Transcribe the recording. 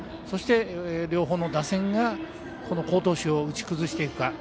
そして、両方の打線がこの好投手を打ち崩していくか。